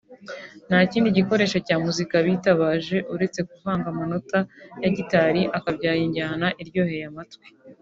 nta kindi gikoresho cya muzika bitabaje uretse kuvanga amanota ya gitari akabyara injyana iryoheye amatwi